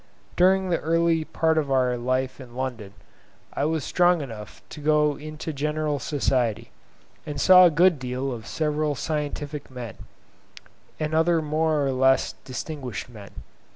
During the early part of our life in London, I was strong enough to go into general society, and saw a good deal of several scientific men, and other more or less distinguished men.